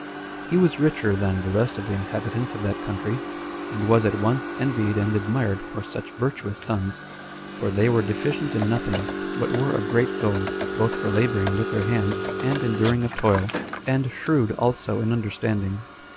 He was richer than the rest of the inhabitants of that country; and was at once envied and admired for such virtuous sons, for they were deficient in nothing, but were of great souls, both for laboring with their hands and enduring of toil; and shrewd also in understanding.